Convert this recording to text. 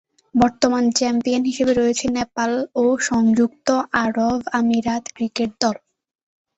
বর্তমান চ্যাম্পিয়ন হিসেবে রয়েছে নেপাল ও সংযুক্ত আরব আমিরাত ক্রিকেট দল।